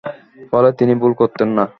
ফলে তিনি ভূল করতেন না।